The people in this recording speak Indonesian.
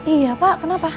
iya pak kenapa